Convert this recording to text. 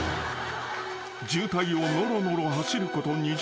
［渋滞をのろのろ走ること２０分］